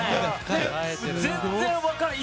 全然分からない！